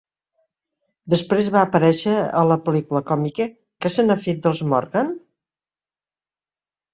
Després va aparèixer a la pel·lícula còmica "Què se n'ha fet, dels Morgan?".